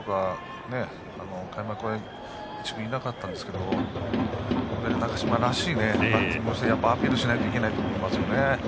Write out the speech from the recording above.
開幕は１軍にいなかったんですけど中島らしいバッティングをしてアピールしなきゃいけないですよね。